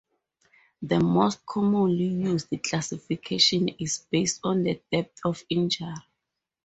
The most commonly used classification is based on the depth of injury.